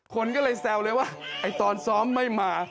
คนก็เลยแซวเลยว่าไอ้ตอนซ้อมไม่มา